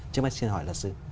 trước mắt xin hỏi lật sư